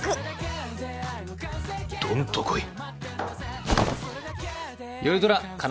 どんと来い。